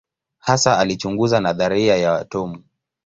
Hasa alichunguza nadharia ya atomu.